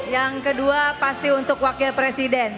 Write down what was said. yang kedua pasti untuk wakil presiden